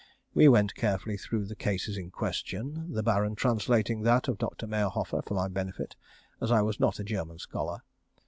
We went carefully through the cases in question, the Baron translating that of Dr. Mayerhofer for my benefit, as I was not a German scholar.